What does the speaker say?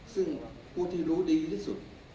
ซึ่งผู้ที่รู้ดีที่สุด